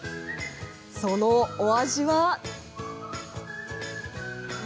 そのお味は。